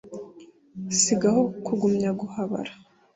si gaho kugumya guhabara